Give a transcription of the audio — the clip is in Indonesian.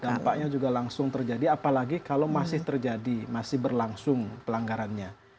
dampaknya juga langsung terjadi apalagi kalau masih terjadi masih berlangsung pelanggarannya